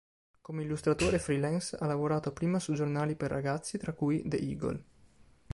Come illustratore freelance ha lavorato prima su giornali per ragazzi tra cui "The Eagle".